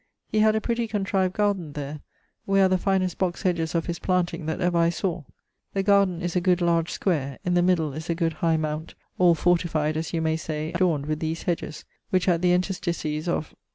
He had a pretty contrived garden there, where are the finest box hedges of his planting that ever I sawe. The garden is a good large square; in the middle is a good high mount, all fortified (as you may say) and adorned with these hedges, which at the interstices of